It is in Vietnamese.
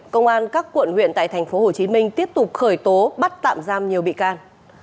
công an các quận huyện tại tp hcm tiếp tục khởi tố bắt tạm giam nhiều bị can